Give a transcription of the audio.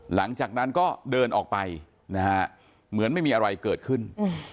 หลังจากนั้นก็เดินออกไปนะฮะเหมือนไม่มีอะไรเกิดขึ้น